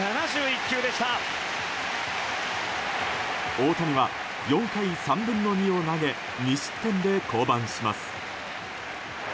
大谷は４回３分の２を投げ２失点で降板します。